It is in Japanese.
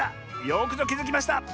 よくぞきづきました！